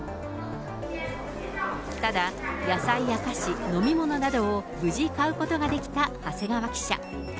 ただ、野菜や菓子、飲み物などを無事買うことができた長谷川記者。